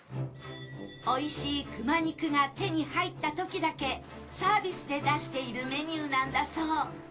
おいしい熊肉が手に入った時だけサービスで出しているメニューなんだそう